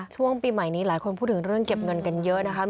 ช่วงปีใหม่นี้หลายคนพูดถึงเรื่องเก็บเงินกันเยอะนะครับ